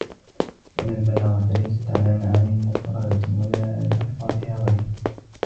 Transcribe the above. لِأَنَّ الْبَلَاغَةَ لَيْسَتْ عَلَى مَعَانٍ مُفْرَدَةٍ وَلَا لِأَلْفَاظِهَا غَايَةٌ